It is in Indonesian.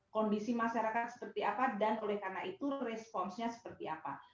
kondisi masyarakat seperti apa dan oleh karena itu responsnya seperti apa